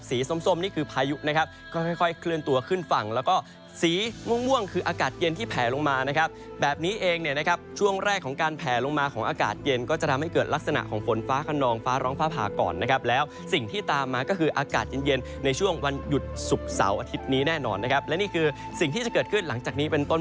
สีส้มนี่คือพายุนะครับค่อยเคลื่อนตัวขึ้นฝั่งแล้วก็สีม่วงคืออากาศเย็นที่แผลลงมานะครับแบบนี้เองนะครับช่วงแรกของการแผลลงมาของอากาศเย็นก็จะทำให้เกิดลักษณะของฝนฟ้าขนองฟ้าร้องฟ้าผาก่อนนะครับแล้วสิ่งที่ตามมาก็คืออากาศเย็นในช่วงวันหยุดศุกร์เสาร์อาทิตย